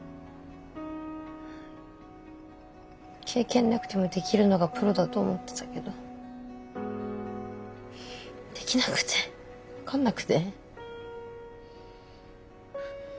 経験なくてもできるのがプロだと思ってたけどできなくて分かんなくて。